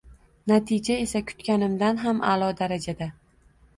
Natija esa kutganimdan ham aʼlo darajada.